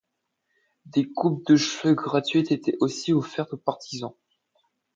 Des coupes de cheveux gratuites étaient aussi offertes aux partisans.